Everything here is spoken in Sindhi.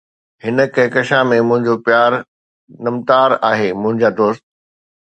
هن ڪهڪشان ۾ منهنجو پيار ٽمٽار آهي، منهنجا دوست